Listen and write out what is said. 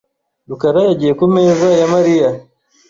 rukara yagiye ku meza ya Mariya .